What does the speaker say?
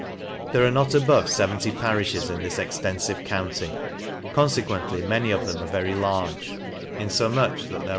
There are not above 70 parifhes in thisextenfive county ; consequently, many of them are very large U infomuch WESTMOR L AND.